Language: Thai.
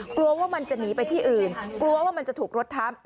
กลัวว่ามันจะหนีไปที่อื่นกลัวว่ามันจะถูกรถทับ